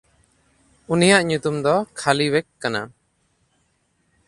ᱩᱱᱤᱭᱟᱜ ᱧᱩᱛᱩᱢ ᱫᱚ ᱠᱷᱟᱞᱤᱣᱮᱠ ᱠᱟᱱᱟ᱾